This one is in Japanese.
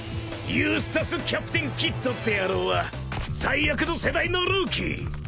［ユースタス・キャプテン・キッドって野郎は最悪の世代のルーキー。